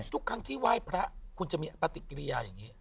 ทุกครั้งที่ไหว้พระคุณจะมีปฏิกิริยาอย่างนี้